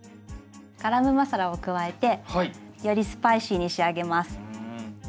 ガラムマサラを加えてよりスパイシーに仕上げます。